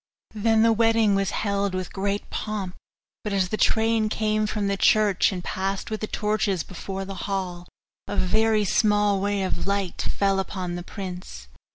Then the wedding was held with great pomp, but as the train came from the church, and passed with the torches before the hall, a very small ray of light fell upon the prince.